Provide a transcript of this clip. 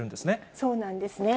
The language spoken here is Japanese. そうなんですね。